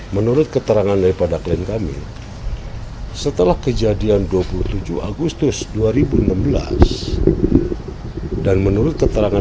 menurut keterangan daripada klien kami setelah kejadian dua puluh tujuh agustus dua ribu enam belas dan menurut keterangan